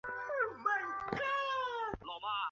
这本书的英文原名